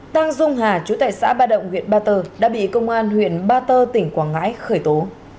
tăng dung hà chú tại xã ba động huyện ba tơ đã bị công an huyện ba tơ tỉnh quảng ngãi khởi tố